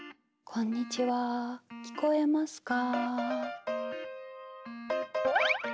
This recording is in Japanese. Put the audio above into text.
「こんにちは聞こえますか」